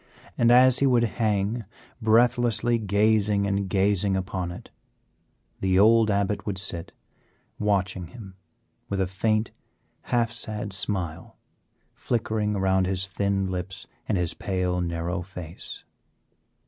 And as he would hang breathlessly gazing and gazing upon it, the old Abbot would sit watching him with a faint, half sad smile flickering around his thin lips and his pale, narrow face.